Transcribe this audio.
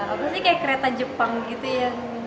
apa sih kayak kereta jepang gitu ya